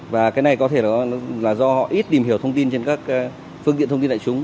và cái này có thể là do họ ít tìm hiểu thông tin trên các phương tiện thông tin đại chúng